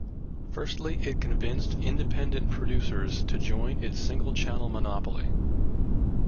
Firstly, it convinced independent producers to join its single channel monopoly.